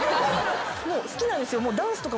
もう好きなんですよ。